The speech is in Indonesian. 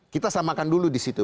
kita samakan dulu disitu